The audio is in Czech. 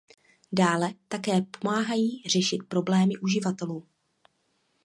Dále také pomáhají řešit problémy uživatelů.